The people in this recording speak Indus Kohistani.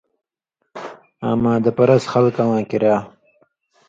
آں مادہ پرست خلکہ واں کریا